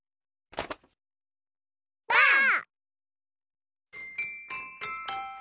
ばあっ！